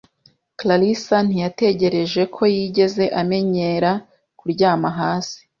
karasira ntiyatekereje ko yigeze amenyera kuryama hasi.